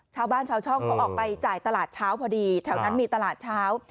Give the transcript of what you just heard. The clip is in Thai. ชาวบ้านชาวช่องเขาออกไปจ่ายตลาดเช้าพอดีแถวนั้นมีตลาดเช้า